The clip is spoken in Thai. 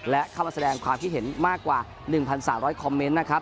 และเข้ามาแสดงความคิดเห็นมากกว่า๑๓๐๐คอมเมนต์นะครับ